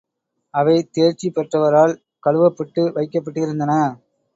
அவை தேர்ச்சி பெற்றவரால் கழுவப்பட்டு வைக்கப்பட்டிருந்தன.